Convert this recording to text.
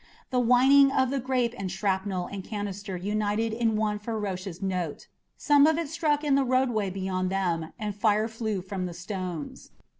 The whining of the grape and shrapnel and canister united in one ferocious note. Some of it struck in the roadway beyond them and fire flew from the stones.